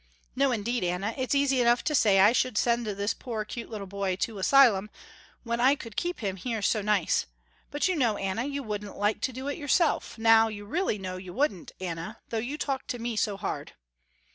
No indeed Anna, it's easy enough to say I should send this poor, cute little boy to a 'sylum when I could keep him here so nice, but you know Anna, you wouldn't like to do it yourself, now you really know you wouldn't, Anna, though you talk to me so hard.